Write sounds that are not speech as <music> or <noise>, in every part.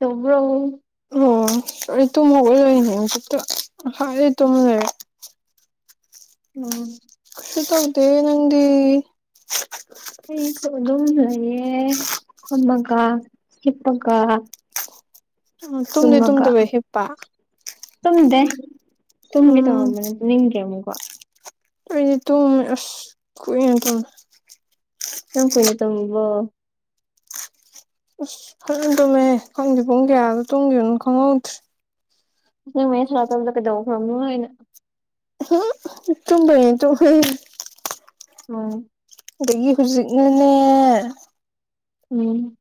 ꯗ꯭ꯔꯣ ꯑꯣ ꯑꯩ ꯇꯨꯝꯃꯒ ꯂꯣꯏꯅꯦꯛꯇ ꯍꯥꯏꯗꯤ ꯇꯨꯝꯃ ꯂꯩꯔꯦ ꯎꯝ ꯁꯤꯇꯧꯗꯦ ꯅꯪꯗꯤ ꯑꯩꯁꯨ ꯑꯗꯨꯝ ꯂꯩꯌꯦ ꯑꯃꯃꯀꯥ ꯍꯤꯛꯄꯀꯥ ꯎ ꯇꯨꯝꯗꯤ ꯇꯨꯝꯗꯕ ꯍꯤꯞ ꯇꯨꯝꯗꯦ ꯇꯨꯝꯒꯦ ꯎꯝ ꯇꯧꯔꯝꯕꯅꯦ ꯅꯤꯡꯗ꯭ꯔꯦ ꯑꯃꯨꯛꯀꯣ ꯑꯩꯗꯤ ꯇꯨꯝ ꯑꯁ ꯀꯨꯏ ꯇ ꯅꯪ ꯀꯨꯏꯅ ꯇꯧꯔꯨꯕ꯭ꯔꯣ ꯑꯁ ꯐꯖꯅ ꯇꯨꯝꯃꯦ ꯈꯪꯗꯦ ꯄꯨꯡ ꯀꯌꯥꯗꯣ ꯇꯨꯝꯈꯤꯕꯅꯣ ꯈꯪꯍꯧꯗ꯭ꯔꯦ ꯅ ꯃ ꯁꯇꯝꯗ ꯀꯩꯗꯧꯈ꯭ꯔꯕꯅꯣꯩꯅ ꯎ ꯇꯨꯝꯗꯧꯔꯦ ꯇꯣꯛꯈ꯭ꯔꯦ ꯎꯝ ꯑꯗꯒꯤ ꯍꯧꯖꯤꯛꯅꯅꯦ ꯎꯝ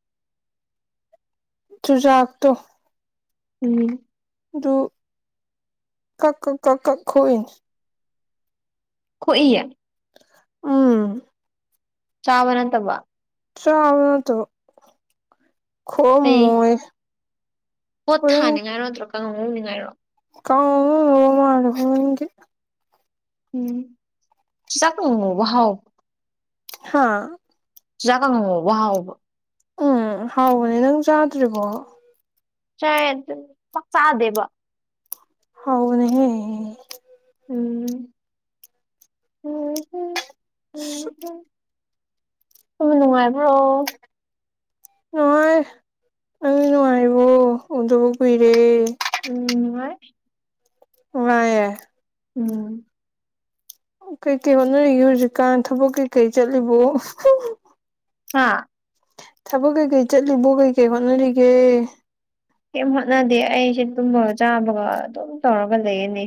ꯆꯨꯖꯥꯥꯛꯇꯣ ꯎꯝ ꯑꯗꯨꯗꯨ ꯀꯛ ꯀ ꯀꯛ ꯀꯛ ꯈꯣꯏꯏ ꯈꯣꯏ ꯎꯝ ꯆꯥꯕ ꯅꯇꯕ꯭ꯔꯣ ꯆꯥꯕ ꯅꯇꯕ ꯈꯣꯕ ꯑꯩ ꯃꯣꯏ ꯄꯣꯠ ꯊꯥꯅꯤꯡꯉꯥꯏꯔꯣ ꯅꯠꯇ꯭ꯔꯒ ꯀꯔꯧꯉꯧꯅꯤꯡꯉꯥꯏꯔꯣ ꯀꯥꯎ ꯃꯥ ꯍꯦꯅꯤꯡꯗꯦ ꯎꯝ ꯆꯥꯛ ꯍꯥꯎ ꯍꯥꯥ ꯆꯥꯛꯀꯥꯡꯒꯧ ꯉꯧꯕ ꯍꯥꯎꯕ꯭ꯔꯣ ꯎꯝ ꯍꯥꯎꯕꯅꯦ ꯅꯪ ꯆꯥꯗ꯭ꯔꯤꯕꯣ ꯆꯥꯢ ꯗꯨꯝ ꯆꯥꯛ ꯆꯥꯗꯦꯕ ꯍꯥꯎꯕꯅꯦꯍꯦ ꯎꯝ ꯇꯨꯝꯕ ꯅꯨꯡꯉꯥꯏꯕ꯭ꯔꯣ ꯅꯨꯡꯉꯥꯏ ꯅꯪꯗꯤ ꯅꯨꯡꯉꯥꯏꯔꯤꯕꯣ ꯎꯗꯕ ꯀꯨꯏꯔꯦ ꯎꯝ ꯅꯨꯡꯉꯥꯢ ꯅꯨꯡꯉꯥꯢꯌꯦ ꯎꯝ ꯀꯩꯀꯩ ꯍꯣꯠꯅꯔꯤꯒꯦ ꯍꯧꯖꯤꯛꯀꯥꯟ ꯊꯕꯛ ꯀꯩꯀꯩ ꯆꯠꯂꯤꯕꯣ ꯍꯥꯥ ꯊꯕꯛ ꯀꯩꯀꯩ ꯆꯠꯂꯤꯕꯣ ꯀꯩꯀꯩ ꯍꯣꯠꯅꯔꯤꯒꯦ ꯀꯩꯝ ꯍꯣꯠꯅꯗꯦ ꯑꯩꯁꯦ ꯇꯨꯝꯕꯒ ꯆꯥꯕꯒ ꯑꯗꯨꯝ ꯇꯧꯔꯒ ꯂꯩꯌꯦꯅꯦ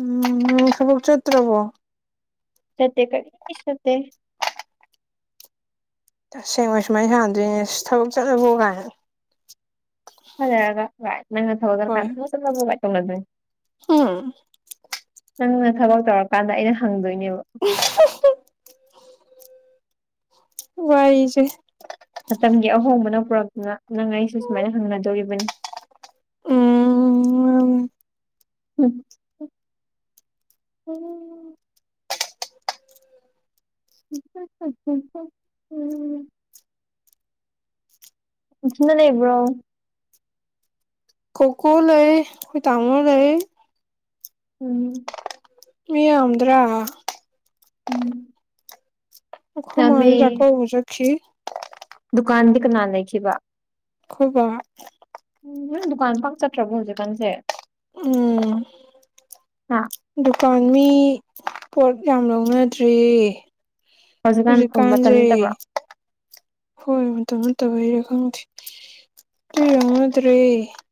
ꯎꯝ ꯊꯕꯛ ꯆꯠꯇ꯭ꯔꯥꯕꯣ ꯆꯠꯇꯦ ꯀꯔꯤꯁꯨ ꯆꯠꯇꯦ ꯇꯁꯦꯡꯅ ꯁꯨꯃꯥꯏꯅ ꯁꯥꯟꯅꯗꯣꯏꯅꯤꯅꯦ ꯊꯕꯛ ꯆꯠꯂꯕꯣ ꯀꯥꯏꯅ ꯈꯔ ꯂꯩꯔꯒ ꯚꯥꯢ ꯅꯪꯅ ꯊꯕꯛ ꯍꯣꯏ ꯆꯠꯀꯥꯟꯗ ꯊꯕꯛ ꯆꯠꯂꯕꯣ ꯀꯥꯢꯅ ꯇꯧꯅꯗꯣꯢꯅꯤ ꯎꯝ ꯅꯪꯅ ꯊꯕꯛ ꯇꯧꯔꯀꯥꯟꯗ ꯑꯩꯅ ꯍꯪꯗꯣꯏꯅꯦꯕ ꯋꯥꯏꯁꯦ ꯃꯇꯝꯒꯤ ꯑꯍꯣꯡꯕꯅ ꯄꯨꯔꯛꯇꯨꯅ ꯅꯪ ꯑꯩꯁꯨ ꯁꯨꯃꯥꯏꯅ ꯍꯪꯅꯗꯧꯔꯤꯕꯅꯤ ꯎꯝ ꯎꯝ ꯎꯝ <unintelligible> ꯅꯊꯟꯗ ꯂꯩꯕ꯭ꯔꯣ꯫ ꯀꯣꯀꯣ ꯂꯩ ꯑꯈꯣꯢ ꯇꯥꯃꯣ ꯂꯩ꯫ ꯎꯝ꯫ ꯃꯤ ꯌꯥꯝꯗ꯭ꯔꯥ꯫ ꯎꯝ꯫ ꯑꯈꯣꯢ ꯌꯥꯝꯃꯦ ꯃꯥꯗꯤ ꯆꯥꯀꯧꯕ ꯆꯠꯈꯤ꯫ ꯗꯨꯀꯥꯟꯗꯤ ꯀꯅꯥ ꯂꯩꯈꯤꯕ꯫ ꯈꯣꯢꯕꯥ ꯎꯝ ꯅꯪ ꯗꯨꯀꯥꯟ ꯄꯥꯛ ꯆꯠꯇ꯭ꯔꯕꯣ ꯍꯧꯖꯤꯛꯀꯥꯟꯁꯦ ꯎꯝ ꯍꯥ ꯗꯨꯀꯥꯟ ꯃꯤ ꯄꯣꯠ ꯌꯥꯝ ꯂꯧꯅꯗ꯭ꯔꯔꯤꯦ ꯍꯧꯖꯤꯛꯀꯥꯟ ꯎꯝꯕ ꯃꯇꯝ ꯁꯀꯥꯟꯖꯤ ꯅꯠꯇꯕ꯭ꯔꯣ ꯍꯣꯏ ꯃꯇꯝ ꯅ ꯍꯥꯏꯔꯦ ꯈꯪꯗꯦ ꯎꯗꯔꯤ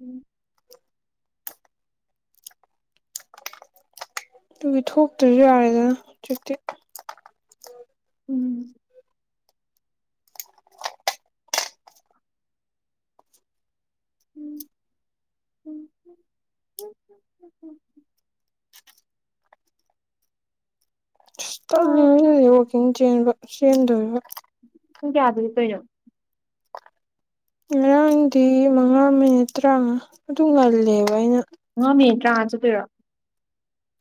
ꯎꯝ ꯑꯗꯨꯒꯤ ꯊꯣꯛꯇ꯭ꯔꯁꯨ ꯌꯥꯔꯦꯗꯅ ꯍꯧꯖꯤꯛꯇꯤ꯫ ꯎꯝ꯫ <unintelligible> ꯑꯁ ꯇꯜꯂꯤꯅꯦ ꯋꯥꯀꯤꯡ ꯆꯦꯟꯕ ꯆꯦꯟꯗꯣꯏꯕ꯫ ꯄꯨꯡ ꯀꯌꯥꯗ ꯍꯤꯞꯄꯩꯅꯣ꯫ ꯉꯔꯥꯡꯗꯤ ꯃꯉꯥ ꯃꯤꯅꯤꯠ ꯇꯔꯥꯉꯥ ꯑꯗꯨ ꯉꯜꯂꯦꯕ ꯑꯩꯅ꯫ ꯃꯉꯥ ꯃꯤꯅꯤꯠ ꯇꯔꯥꯉꯥ ꯆꯠꯇꯣꯏꯔꯣ꯫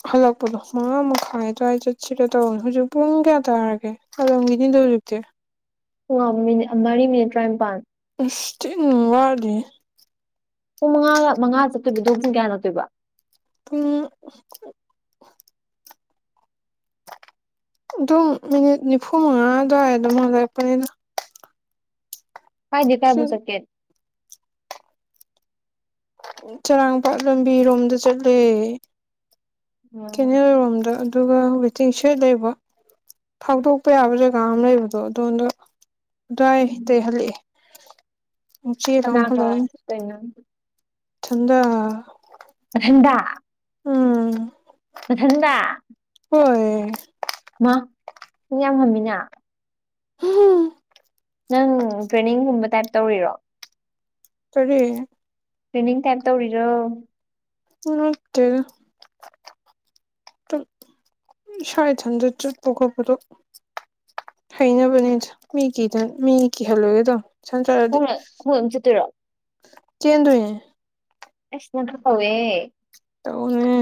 ꯍꯜꯂꯛꯄꯗꯣ ꯃꯥ ꯃꯈꯥꯏ ꯑꯗꯨ꯭ꯋꯥꯏꯗ ꯆꯠꯁꯤꯔꯦ ꯇꯧꯕꯅꯤ ꯍꯧꯖꯤꯛ ꯄꯨꯡ ꯀꯌꯥ ꯇꯥꯔꯒꯦ꯫ ꯍꯟꯂꯝꯒꯤꯅꯤ ꯑꯗꯨ ꯑꯣꯏꯔꯗꯤ꯫ ꯃꯤꯅꯤꯠ ꯃꯔꯤ ꯃꯤꯅꯤꯠ ꯇꯔꯥꯅꯤꯄꯥꯟ꯫ ꯑꯁ ꯊꯤꯟ ꯋꯥꯠꯂꯤ꯫ ꯄꯨꯡ ꯃꯉꯥꯒ ꯃꯉꯥ ꯆꯠꯇꯣꯏꯕꯗꯣ ꯑꯗꯨꯒ ꯄꯨꯡ ꯀꯌꯥ ꯅꯠꯇꯣꯏꯕ꯫ ꯄꯨꯡ꯫ ꯑꯗꯨꯝ ꯃꯤꯅꯤꯠ ꯅꯤꯐꯨ ꯃꯉꯥ ꯑꯗꯨꯋꯥꯏ ꯑꯗꯨꯝ ꯍꯜꯂꯛꯄꯅꯤꯗ꯫ ꯀꯏꯗꯩꯩ ꯁꯤ ꯀꯥꯏꯕꯣꯛ ꯆꯠꯀꯦ꯫ ꯆꯔꯥꯡꯄꯥꯠ ꯂꯝꯕꯤꯔꯣꯝꯗ ꯆꯠꯂꯦ꯫ ꯀꯦꯅꯦꯜ ꯔꯣꯝꯗ ꯑꯗꯨꯒ ꯋꯦꯇꯤꯡ ꯁꯦꯠ ꯂꯩꯕ꯫ ꯊꯥꯎꯗꯣꯛꯄ ꯌꯥꯕ ꯖꯒꯥ ꯑꯃ ꯂꯩꯕꯗꯣ ꯑꯗꯣꯝꯗ ꯑꯗꯨꯋꯥꯏ ꯗꯩꯩ ꯍꯜꯂꯛꯑꯦ꯫ ꯀꯅꯥꯒ ꯆꯠꯇꯣꯏꯅꯣ <unintelligible> ꯏꯊꯥꯟꯗ꯫ ꯅꯥꯊꯟꯗ꯫ ꯎꯝ꯫ ꯃꯊꯟꯗ꯫ ꯍꯣꯏ꯫ ꯃꯥ ꯅꯪꯗꯤ ꯌꯥꯝ ꯉꯝꯃꯤꯅ꯫ ꯅꯪ ꯇ꯭ꯔꯦꯅꯤꯡꯒꯨꯝꯕ ꯇꯥꯏꯞ ꯇꯧꯔꯤꯔꯣ꯫ ꯇꯔꯤ꯫ ꯇ꯭ꯔꯦꯅꯤꯡ ꯇꯥꯏꯞ ꯇꯧꯔꯤꯔꯣ꯫ ꯅꯠꯇꯦꯗ꯫ ꯏꯁꯥ ꯏꯊꯟꯗ ꯆꯠꯄ ꯈꯣꯠꯄꯗꯣ꯫ ꯍꯩꯅꯕꯅꯦꯗꯥ ꯃꯤꯒꯤꯗ ꯃꯤ ꯀꯤꯍꯜꯂꯣꯏꯒꯦ ꯇꯧꯝ꯫ ꯁꯥꯟꯅ ꯆꯠꯂꯗꯤ ꯈꯣꯡꯅ ꯈꯣꯡꯅ ꯑꯗꯨꯝ ꯆꯠꯇꯣꯏꯔꯣ ꯆꯦꯟꯗꯣꯏꯅꯦ꯫ ꯑꯦꯁ ꯅꯪ ꯈꯔ ꯇꯧꯋꯦ꯫ ꯇꯧꯅꯦ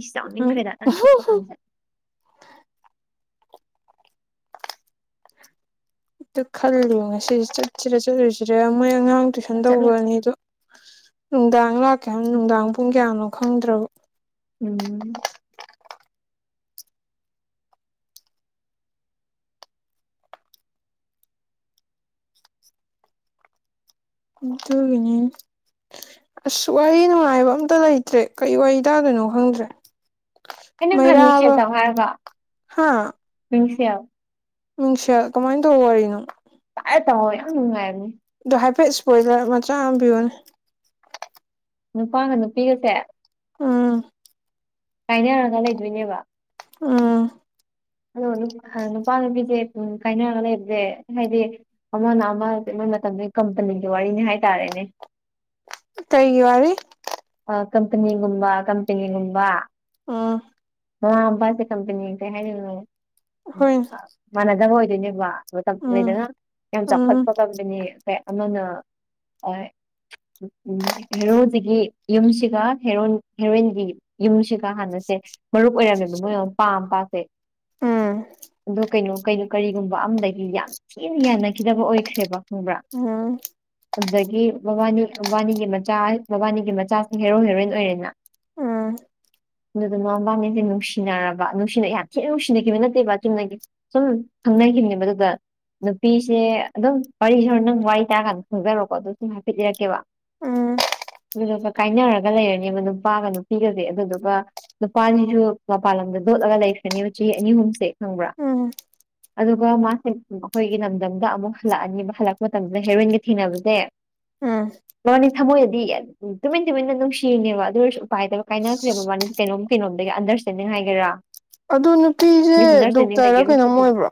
ꯏꯁ ꯑꯝꯇ ꯌꯥꯎꯅꯤꯡꯈ꯭ꯔꯦꯗ ꯅꯪ ꯆꯠꯄꯀꯥꯟꯁꯦ꯫ ꯑꯗꯨ ꯈꯜꯂꯤꯌꯣ ꯉꯁꯤꯁꯦ ꯆꯠꯁꯤꯔ ꯆꯠꯂꯣꯏꯁꯤꯔ ꯃꯣꯏ ꯑꯉꯥꯡ꯫ ꯆꯠꯂꯣ ꯇꯨꯏꯁꯟ ꯆꯠꯂꯣ ꯇꯧꯕ ꯑꯅꯤꯗꯣ ꯅꯨꯡꯗꯥꯡ ꯂꯥꯛꯀꯦ ꯍꯥꯏ ꯅꯨꯡꯗꯥꯡ ꯀꯟꯁꯦꯠꯂꯣ ꯄꯨꯡ ꯀꯌꯥꯅꯣ ꯈꯪꯗ꯭ꯔꯕ꯫ ꯎꯝ ꯑꯗꯨꯒꯤꯅꯤꯅ‌ꯦ ꯑꯁ ꯋꯥꯔꯤ ꯅꯨꯡꯉꯥꯏꯕ ꯑꯝꯇ ꯂꯩꯇ꯭ꯔꯦ ꯀꯩ ꯋꯥꯔꯤ ꯇꯥꯗꯣꯏꯅꯣ ꯈꯪꯗ꯭ꯔꯦ ꯑꯩꯅ ꯅꯍꯥꯟ ꯃꯤꯡꯁꯦꯜ ꯃꯩꯔꯕ ꯍꯥꯥ ꯃꯤꯡꯁ‌ꯦꯜ ꯃꯤꯡꯁ‌ꯦꯜ ꯀꯃꯥꯏ ꯇꯧꯕ ꯋꯥꯔꯤꯅꯣ <unintelligible> ꯌꯥꯝ ꯅꯨꯡꯉꯥꯏꯕꯅꯤ ꯑꯗꯣ ꯍꯥꯏꯐꯦꯠ ꯏꯁꯄꯣꯏꯂꯔ ꯃꯆꯥ ꯑꯃ ꯄꯤꯌꯣꯅꯦ꯫ ꯅꯨꯄꯥꯒ ꯅꯨꯄꯤꯒꯁꯦ꯫ ꯎꯝ꯫ ꯀꯥꯏꯅꯔꯒ ꯂꯩꯗꯣꯏꯅꯦꯕ꯫ ꯎꯝ꯫ ꯑꯗꯣ ꯅꯨꯄꯥ ꯅꯨꯄꯤꯁꯦ ꯎꯝ ꯀꯥꯏꯅꯔꯒ ꯂꯩꯔꯁꯦ ꯍꯥꯏꯗꯤ꯫ ꯑꯃꯅ ꯑꯃ <unintelligible> ꯀꯝꯄꯅꯤꯒꯤ ꯋꯥꯔꯤꯅꯤ ꯍꯥꯏꯇꯥꯔꯦꯅꯦ꯫ ꯀꯩꯒꯤ ꯋꯥꯔꯤ ꯑꯥ ꯀꯝꯄꯅꯤꯒꯨꯝꯕ ꯀꯝꯄ‌ꯦꯅꯤꯒꯨꯝꯕ ꯑꯣ ꯃꯃꯥ ꯃꯄꯥꯁꯦ ꯀꯝꯄꯦꯅꯤ ꯀꯩ ꯍꯥꯏꯗ‌ꯣꯏꯅ‌ꯣ ꯎꯝ ꯍꯣꯏꯅꯦ ꯑꯥ ꯃꯥꯟꯅꯗꯕ ꯑꯣꯏꯗꯣꯏꯅ‌ꯦꯕ ꯃꯇꯝ ꯎꯝ ꯂ‌ꯣꯏꯌ‌ꯦꯗꯅ ꯌꯥꯝ ꯎꯝ ꯆꯥꯎꯈꯠꯄ ꯀꯝꯄꯦꯅꯤ ꯍ‌ꯣꯏ ꯑꯃꯅ ꯍ‌ꯣꯏ ꯎꯝ ꯍꯦꯔꯣꯖꯤꯒꯤ ꯌꯨꯝꯁꯤꯒ ꯍꯦꯔ‌ꯣ ꯍꯦꯔꯣꯏꯟꯒꯤ ꯌꯨꯝꯁꯤꯒ ꯍꯥꯟꯅꯁꯦ ꯃꯔꯨꯞ ꯑꯣꯏꯔꯝꯃꯦꯕ ꯃꯣꯏ ꯃꯄꯥ‌ ꯃꯄꯥꯁꯦ ꯎꯝ ꯑꯗꯣ ꯀꯩꯅꯣ ꯀꯩꯅꯣ ꯀꯔꯤꯒꯨꯝꯕ ꯑꯃꯗꯒꯤ ꯌꯥꯝ ꯊꯤꯅ ꯌꯥꯅꯈꯤꯗꯕ ꯑꯣꯏꯈ꯭ꯔꯦꯕ ꯈꯪꯕ꯭ꯔꯥ ꯑꯝ ꯑꯗꯨꯗꯒꯤ ꯃꯕꯥꯅꯤ ꯃꯕꯥꯅꯤꯒꯤ ꯃꯆꯥ ꯃꯕꯥꯅꯤꯒꯤ ꯃꯆꯥꯁ‌ꯤꯅ ꯍꯦꯔꯣ ꯍꯦꯔꯣꯏꯟ ꯑꯣꯏꯔꯦꯗꯅ ꯎꯝ ꯑꯗꯨꯗ ꯃ ꯃꯕꯥꯅꯤꯁꯦ ꯅꯨꯡꯁꯤꯅꯔꯕ ꯅꯨꯡꯁꯤꯅꯩ ꯌꯥꯝ ꯊꯤꯅ ꯅꯨꯡꯁꯤꯅꯩ ꯀꯩꯅ‌ꯣ ꯅꯠꯇꯦꯕ ꯆꯨꯝꯅꯒꯤ ꯁꯨꯝ ꯈꯪꯅꯈꯤꯕꯅꯦ ꯃꯗꯨꯗ ꯅꯨꯄꯤꯁꯦ ꯑꯗꯨꯝ ꯋꯥꯔꯤꯁ‌ꯦ ꯍ‌ꯣꯏꯔ‌ꯦꯟ ꯅꯪ ꯋꯥꯔꯤ ꯇꯥꯔꯀꯥꯟꯗ ꯈꯪꯖꯔ‌ꯣꯀꯣ ꯑꯗꯨ ꯁꯨꯝ ꯍꯥꯏꯐꯦꯠ ꯂꯤꯔꯛꯀꯦꯕ ꯎꯝ ꯑꯗꯨꯗꯨꯒ ꯀꯥꯏꯅꯔꯒ ꯂꯩꯔꯅꯤꯕ ꯅꯨꯄꯥꯒ ꯅꯨꯄꯤꯒꯁꯦ ꯑꯗꯨꯗꯨꯒ ꯅꯨꯄꯥꯅꯤꯁꯨ ꯃꯄꯥꯟ ꯂꯝꯗ ꯂꯣꯠꯂꯒ ꯂꯩꯈ꯭ꯔꯅꯤꯕ ꯆꯍꯤ ꯑꯅꯤ ꯑꯍꯨꯝꯁꯦ ꯈꯪꯕ꯭ꯔꯥ ꯎꯝ ꯑꯗꯨꯒ ꯃꯥꯁꯦ ꯑꯩꯈꯣꯏꯒꯤ ꯂꯝꯗꯝꯗ ꯑꯃꯨꯛ ꯍꯜꯂꯛꯑꯅꯤꯕ ꯍꯜꯂꯛꯄ ꯃꯇꯝꯁꯤꯗ ꯍꯦꯔꯣꯏꯟꯒ ꯊꯦꯡꯅꯕꯁꯦ ꯎꯝ ꯃꯕꯥꯅꯤ ꯊꯃꯣꯏꯗꯗꯤ ꯌꯥꯝ ꯎꯝ ꯇꯨꯃꯤꯟ ꯇꯨꯃꯤꯟꯅ ꯅꯨꯡꯁꯤꯔꯤꯅ‌ꯦꯕ ꯑꯗꯨ ꯑꯣꯏꯔꯁꯨ ꯎꯄꯥꯏ ꯂꯩꯇꯕꯩ ꯀꯥꯏꯅꯈ꯭ꯔꯦꯕ ꯃꯕꯥꯅꯤꯁꯦ ꯀꯩꯅꯣꯝ ꯀꯩꯅꯣꯝꯗꯒꯤ ꯑꯟꯗꯔꯁꯇꯦꯟꯗꯤꯡ ꯍꯥꯏꯒꯦꯔꯥ ꯑꯗ‌ꯣ ꯅꯨꯄꯤꯁꯦ ꯃꯤꯁꯑꯟꯗꯔꯁꯇꯦꯟꯗꯤꯡ ꯗꯣꯛꯇꯔ ꯂꯩꯒꯦ ꯔ ꯑꯗꯨꯝ ꯀꯩꯅꯣꯝ ꯊꯣꯛꯈꯤꯕ ꯑꯣꯏꯕ꯭ꯔꯣ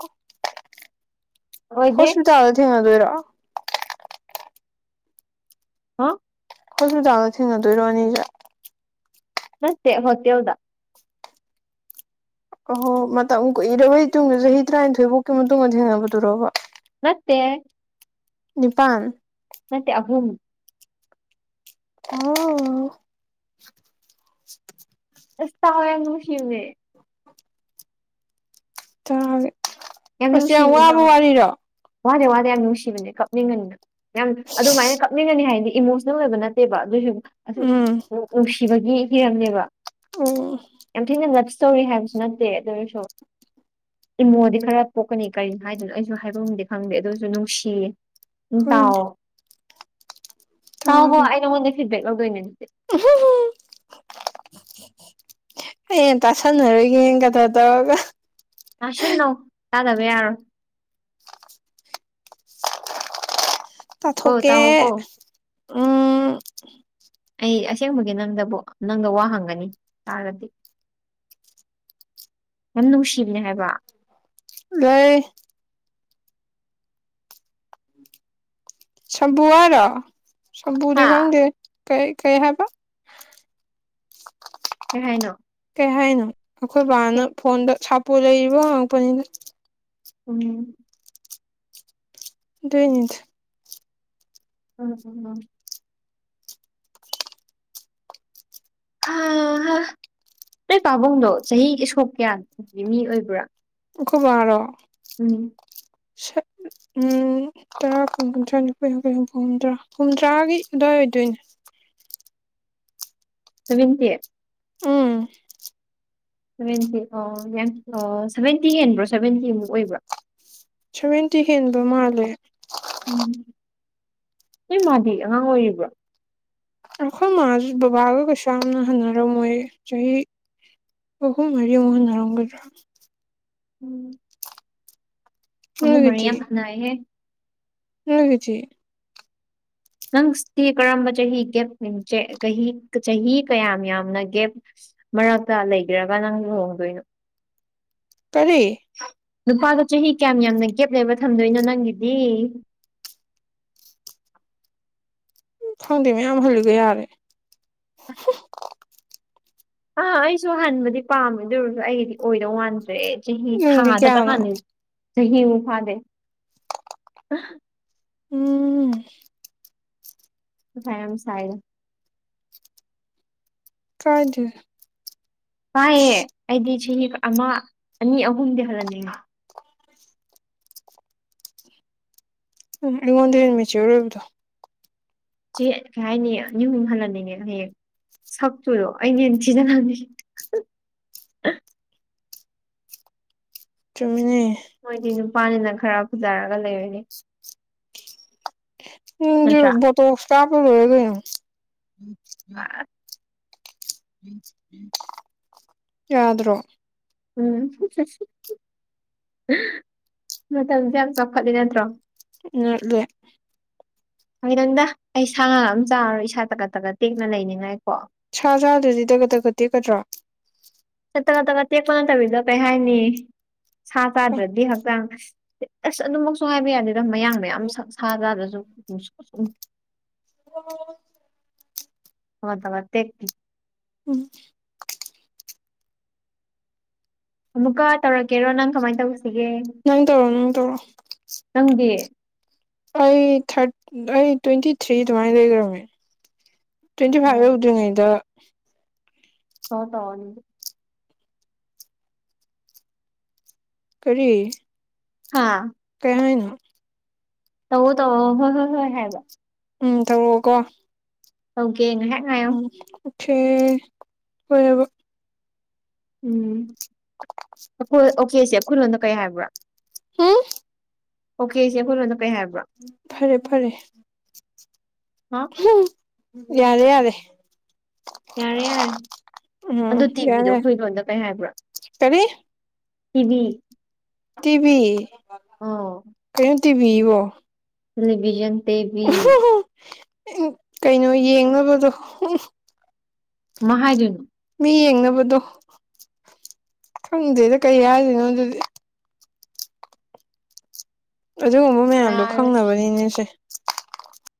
ꯑꯣꯏꯗꯦ ꯍꯣꯁꯄꯤꯇꯥꯜꯗ ꯊꯦꯡꯅꯗ‌ꯣꯏꯔ‌ꯣ <unintelligible> ꯍꯣꯁꯄꯤꯇꯥꯜꯗ ꯊꯦꯡꯅꯗꯣꯏꯔꯣ ꯑꯅꯤꯁ‌ꯦ ꯅꯠꯇꯦ ꯍ‌ꯣꯇ‌ꯦꯜ ꯗ ꯑꯍꯣ ꯃꯇꯝ ꯀꯨꯏꯔꯕꯩ ꯇꯨꯡꯗ ꯆꯍꯤ ꯇꯔꯥꯅꯤꯊꯣꯏꯐꯥꯎꯀꯤ ꯃꯇꯨꯡꯗ ꯊꯦꯡꯅꯕꯗꯨꯔꯣꯕ ꯅꯠꯇ‌ꯦꯍ‌ꯦ ꯅꯤꯄꯥꯟ ꯅꯠꯇ‌ꯦ ꯑꯍꯨꯝ ꯑꯣ ꯑꯁ ꯇꯥꯎꯍ‌ꯦ ꯌꯥꯝ ꯅꯨꯡꯁꯤꯕꯅ‌ꯦ ꯇꯒ‌ꯦ ꯑꯁ ꯌꯥꯝ ꯋꯥꯕ ꯋꯥꯔꯤꯔꯣ ꯋꯥꯗ‌ꯦ ꯋꯥꯗꯦ ꯌꯥꯝ ꯅꯨꯡꯁꯤꯕꯅꯤ ꯀꯞꯅꯤꯡꯒꯅꯤ ꯌꯥꯝ ꯑꯗꯨꯃꯥꯏꯅ ꯀꯞꯅꯤꯡꯒꯅꯤ ꯍꯥꯏꯗꯤ ꯏꯃꯣꯁꯅꯦꯜ ꯑꯣꯏꯕ ꯅꯠꯇꯦꯕ ꯑꯗꯨꯏꯁꯨ ꯑꯁꯨꯝ ꯎꯝ ꯅꯨꯡꯁꯤꯕꯒꯤ ꯍꯤꯔꯝꯅꯦꯕ ꯑꯣ ꯌꯥꯝ ꯊꯤꯅ ꯂꯞ ꯇꯧꯔꯤ ꯍꯥꯏꯕꯁꯨ ꯅꯠꯇꯦ ꯑꯗꯨ ꯑꯣꯏꯔꯁꯨ ꯏꯃꯣꯗꯤ ꯈꯔ ꯄꯣꯛꯀꯅꯤ ꯀꯔꯤ ꯍꯥꯏꯗ‌ꯣꯏꯅꯣ ꯑꯩꯁꯨ ꯍꯥꯏꯕꯝꯗꯤ ꯈꯪꯗꯦ ꯑꯗꯨꯁꯨ ꯅꯨꯡꯁꯤ‌ꯌ‌ꯦ ꯑꯗꯨꯝ ꯍꯣꯏꯅꯦ ꯇꯥꯎꯋ‌ꯣ ꯇꯥꯎ ꯍꯣ ꯇꯥꯒꯦ ꯑꯩ ꯅꯪꯉꯣꯟꯗꯩꯩ ꯐꯤꯗꯕꯦꯛ ꯂꯧꯗꯣꯏꯅꯦ ꯗꯨꯗꯤ <unintelligible> ꯑꯩꯅ ꯇꯥꯁꯟꯅꯔꯣꯏꯒꯦꯅ ꯀꯗ ꯇꯧꯔꯒ ꯇꯥꯁꯟꯅꯧ ꯇꯥꯗꯕ ꯌꯥꯔꯣꯏ ꯀꯣ ꯇꯥꯊꯣꯛꯀꯦ ꯇꯥꯎꯑꯣ ꯀꯣ ꯎꯝ ꯑꯩ ꯑꯁꯦꯡꯕꯒꯤ ꯅꯪꯗꯕꯨ ꯅꯪꯗ ꯋꯥ ꯍꯪꯒꯅꯤ ꯇꯥꯔꯗꯤ ꯌꯥꯝ ꯅꯨꯡꯁꯤꯕꯅꯦ ꯍꯥꯏꯕ ꯂꯩ ꯁꯝꯄꯨ ꯍꯥꯢꯔꯣ ꯁꯝꯄꯨꯗꯤ ꯍꯥ ꯈꯪꯗꯦꯒꯦ ꯀꯩ ꯀꯩ ꯍꯥꯕ <inaudible> ꯀꯩ ꯍꯥꯏꯅꯣ ꯀꯩ ꯍꯥꯏꯅꯣ ꯑꯈꯣꯏ ꯕꯥꯅ ꯐꯣꯟꯗ ꯁꯥꯄꯣ ꯂꯩꯔꯤꯕ ꯍꯉꯛꯄꯅꯤꯗ ꯎꯝ ꯗꯨꯏꯅꯤ <inaudible> ꯍꯥ ꯍꯥ ꯅꯣꯏ ꯄꯥꯕꯨꯡꯗꯣ ꯆꯍꯤ ꯁꯣꯛ ꯀꯌꯥꯒꯤ ꯃꯤ ꯑꯣꯏꯕ꯭ꯔꯥ ꯑꯈꯣꯕꯥꯔꯣ ꯎꯝ <inaudible> ꯎꯝ ꯇꯔꯥ ꯀꯨꯟ ꯀꯨꯟꯊ꯭ꯔꯥ ꯅꯤꯐꯨ ꯌꯥꯡꯈꯩ ꯍꯨꯝꯐꯨ ꯍꯨꯝꯗ꯭ꯔꯥ ꯍꯨꯝꯗ꯭ꯔꯥꯒꯤ ꯑꯗ꯭ꯋꯥꯏ ꯑꯣꯏꯗꯣꯏꯅꯦ <unintelligible> ꯎꯝ ꯁꯚꯦꯟꯇꯤ ꯑꯣ ꯌꯥ ꯑꯣ ꯁꯚꯦꯟꯇꯤ ꯍꯦꯟꯕ꯭ꯔꯣ ꯁꯚꯦꯟꯇꯤ ꯑꯃꯨꯛ ꯑꯣꯏꯕ꯭ꯔꯣ ꯁꯚꯦꯟꯇꯤ ꯍꯦꯟꯕ ꯃꯥꯜꯂꯦ ꯎꯝ ꯅꯣꯏ ꯃꯥꯗꯤ ꯑꯉꯥꯡ ꯑꯣꯏꯔꯤꯕ꯭ꯔꯣ ꯑꯩꯈꯣꯏ ꯃꯥ ꯕꯕꯥꯒ ꯀꯩꯁꯨ ꯌꯥꯝꯅ ꯍꯟꯅꯔꯝꯃꯣꯏ ꯆꯍꯤ ꯑꯣꯍꯨꯝ ꯃꯔꯤꯃꯨꯛ ꯍꯟꯅꯔꯝꯒꯗ꯭ꯔ ꯎꯝ ꯅꯣꯏꯒꯤꯗꯤ <unintelligible> <unintelligible> ꯅꯪꯗꯤ ꯀꯔꯝꯕ ꯆꯍꯤ ꯒꯦꯞ <unintelligible> ꯀꯍꯤ ꯆꯍꯤ ꯀꯌꯥꯝ ꯌꯥꯝꯅ ꯒꯦꯞ ꯃꯔꯛꯇ ꯂꯩꯒꯦꯔꯒ ꯅꯪ ꯂꯨꯍꯣꯡꯗꯣꯏꯅꯣ ꯀꯔꯤ ꯅꯨꯄꯥꯗꯣ ꯆꯍꯤ ꯀꯌꯥꯝ ꯌꯥꯝꯅ ꯒꯦꯞ ꯂꯩꯕ ꯊꯝꯗꯣꯏꯅꯣ ꯅꯪꯒꯤꯗꯤ ꯈꯪꯗꯦ ꯃꯌꯥꯝ ꯍꯜꯂꯤꯒꯩ ꯌꯥꯔꯦ ꯑꯥ ꯑꯩꯁꯨ ꯍꯟꯕꯗꯤ ꯄꯥꯝꯃꯦ ꯑꯗꯨ ꯑꯣꯏꯔꯁꯨ ꯑꯩꯒꯤꯗꯤ ꯑꯣꯏꯗꯧ ꯃꯥꯟꯗ꯭ꯔꯦ ꯆꯍꯤ ꯅꯪꯗꯤ ꯊꯥꯗꯇꯪ ꯀꯌꯥꯅꯣ ꯍꯜꯂꯤ ꯆꯍꯤꯕꯨꯛ ꯐꯥꯗꯦ ꯎꯝ ꯃꯊꯥ ꯌꯥꯝ ꯁꯥꯏꯗ <unintelligible> ꯄꯥꯏꯌꯦ ꯑꯩꯗꯤ ꯆꯍꯤ ꯑꯃ ꯑꯅꯤ ꯑꯍꯨꯝꯗꯤ ꯍꯜꯍꯟꯅꯤꯡꯉꯤ ꯎꯝ ꯑꯩꯉꯣꯟꯗꯩꯩ ꯍꯦꯟꯅ ꯃꯦꯆ꯭ꯌꯣꯔ ꯑꯣꯏꯕꯗꯣ ꯆꯦ ꯀꯩ ꯍꯥꯏꯅꯤ <unintelligible> ꯍꯜꯂꯅꯤꯡꯉꯦ ꯍꯌꯦꯡ ꯁꯛꯇ ꯑꯣꯏꯔꯣ ꯑꯩꯅ ꯍꯦꯟꯅ ꯊꯤꯖꯤꯜꯂꯅꯤ ꯆꯨꯝꯃꯤꯅꯦ ꯃꯣꯏꯗꯤ ꯅꯨꯄꯥꯅꯤꯅ ꯈꯔ ꯐꯖꯔꯒ ꯂꯩꯔꯅꯤ ꯅꯥꯪꯖꯨ ꯅꯠꯇ꯭ꯔꯥ ꯕꯣꯇꯣꯛꯁ ꯀꯥꯞꯄ ꯂꯣꯏꯔꯦ ꯀꯩꯅꯣ ꯎꯝ ꯌꯥꯗ꯭ꯔꯣ ꯎꯝ ꯃꯇꯝꯁꯦ ꯌꯥꯝ ꯆꯥꯎꯈꯠꯂꯤ ꯅꯠꯇ꯭ꯔꯣ ꯎ ꯑꯗꯨꯦ ꯍ ꯅꯪꯗ ꯑꯩ ꯁꯥ ꯉꯥ ꯑꯃ ꯆꯥꯔꯔꯣꯏ ꯏꯁꯥ ꯇꯒꯠ ꯇꯒꯠ ꯇꯦꯛꯅ ꯂꯩꯅꯤꯡꯉꯥꯏꯀꯣ ꯁꯥ ꯁꯥ ꯑꯗꯨꯗꯤ ꯗꯒꯠ ꯇꯒꯠꯠꯇꯦꯛꯀꯠꯇ꯭ꯔꯣ ꯆꯠꯇ ꯅꯠꯇꯕ ꯇꯦꯛꯄ ꯅꯠꯇꯕꯤꯗꯣ ꯀꯩ ꯍꯥꯏꯅꯤ ꯁꯥ ꯆꯥꯗ꯭ꯔꯗꯤ ꯍꯛꯆꯥꯡ ꯑꯁ ꯑꯗꯨꯃꯛꯁꯨ ꯍꯥꯏꯕ ꯌꯥꯗꯦꯗ ꯃꯌꯥꯡ ꯃꯌꯥꯝ ꯁꯛ ꯁꯥꯖꯥꯗꯁꯨ ꯑꯣ <unintelligible> ꯇꯧꯔꯛꯇꯦ ꯀꯤ ꯎꯝ ꯑꯃꯨꯛꯀ ꯇꯧꯔꯛꯀꯦꯔꯣ ꯅꯪ ꯀꯃꯥꯏꯟ ꯇꯧꯁꯤꯒꯦ ꯅꯪ ꯇꯧꯔꯣ ꯅꯪ ꯇꯧꯔꯣ ꯅꯪꯗꯤ ꯑꯩ ꯊ ꯑꯩ ꯇ꯭ꯋꯦꯟꯇꯤ ꯊ꯭ꯔꯤ ꯑꯗꯨꯃꯥꯏꯅ ꯂꯩꯒ꯭ꯔꯝꯅꯦ ꯇ꯭ꯋꯦꯟꯇꯤ ꯐꯥꯏꯚ ꯎꯝ ꯌꯧꯗ꯭ꯔꯤꯉꯩꯗ <unintelligible> ꯀꯔꯤ ꯍꯥꯥ ꯀ ꯇꯧ ꯇ ꯍꯣꯏ ꯍꯣ ꯍꯣꯏ ꯍꯥꯏꯕ ꯎꯝ ꯇꯧꯔꯛꯑꯣꯀꯣ ꯍꯧꯒꯦ ꯎꯝ ꯑꯣꯀꯦ ꯍ ꯎꯝ ꯑꯩꯈꯣꯏ ꯑꯣꯀꯦ ꯁꯤꯦ ꯑꯩꯈꯣꯏ ꯂꯣꯗ ꯀꯔꯤ ꯍꯥꯏꯕ꯭ꯔꯥ ꯍꯥꯝ ꯑꯣꯀꯦ ꯁꯤꯦ ꯑꯩꯈꯣꯏꯔꯣꯟꯗ ꯀꯩ ꯍꯥꯏꯕ꯭ꯔꯣ ꯐꯔꯦ ꯐꯔꯦ ꯍꯥ ꯌꯥꯔꯦ ꯌꯥꯔꯦ ꯌꯥꯔꯦ ꯌꯥꯔꯦ ꯑꯗꯨ ꯎꯝ ꯇꯤꯚꯤꯗꯣ ꯌꯥꯔꯦ ꯑꯩꯈꯣꯏ ꯂꯣꯟꯗ ꯀꯩ ꯍꯥꯏꯕ꯭ꯔꯥ ꯀꯔꯤ ꯇꯤꯚꯤ ꯇꯤꯕꯤ ꯑꯣ ꯀꯩꯅꯣꯝ ꯇꯤꯕꯤꯕꯣ ꯇꯦꯂꯤꯚꯖꯟ ꯇꯕꯤ ꯎ ꯀꯩꯅꯣ ꯌꯦꯡꯅꯕꯗꯣ ꯎ ꯃꯍꯥꯗꯨꯅ ꯃꯤ ꯌꯦꯡꯅꯕꯗꯣ ꯈꯪꯗꯦꯗ ꯀꯩ ꯍꯥꯏꯗꯣꯏꯅꯣ ꯑꯗꯨꯗꯤ ꯑꯗꯨꯒꯨꯝꯕ ꯃꯌꯥꯝꯗꯣ ꯌꯥꯔꯁꯤ ꯈꯪꯅꯕꯅꯤꯅꯦ ꯁꯦ